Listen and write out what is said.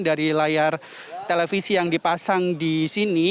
dari layar televisi yang dipasang di sini